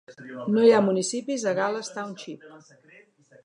No hi ha municipis a Gales Township.